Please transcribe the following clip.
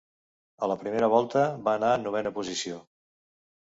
A la primera volta, va anar en novena posició.